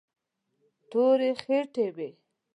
تورې خټې وې.